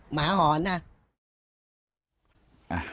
หมาหอนนะ